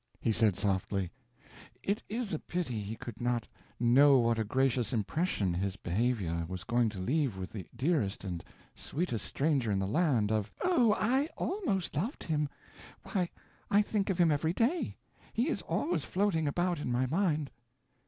He said, softly: "It is a pity he could not know what a gracious impression his behavior was going to leave with the dearest and sweetest stranger in the land of—" "Oh, I almost loved him! Why, I think of him every day. He is always floating about in my mind."